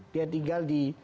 dia tinggal di